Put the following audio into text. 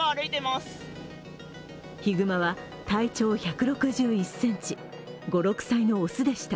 ひぐまは体長１６１ｃｍ、５６歳の雄でした。